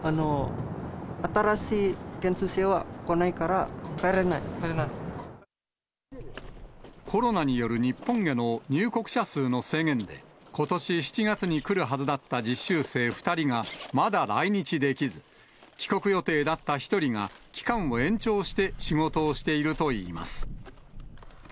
新しい研修生が来ないから、コロナによる日本への入国者数の制限で、ことし７月に来るはずだった実習生２人がまだ来日できず、帰国予定だった１人が期間を延長して仕事をしているといいます。